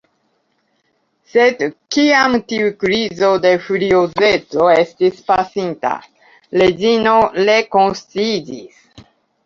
Sed, kiam tiu krizo de furiozeco estis pasinta, Reĝino rekonsciiĝis.